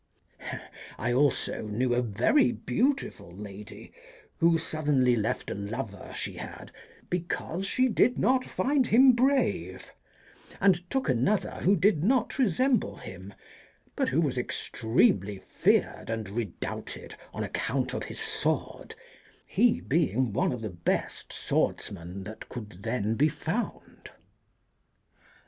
" I also knew a very beautiful lady who suddenly left a lover she had, because she did not find him brave, and took another who did not resemble him, but who was extremely feared and redoubted on account of his sword, he being one of the best swordsmen that could then be found."